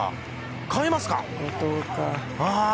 代えますか。